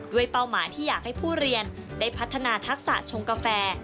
เป้าหมายที่อยากให้ผู้เรียนได้พัฒนาทักษะชงกาแฟ